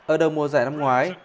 ở đầu mùa giải năm ngoái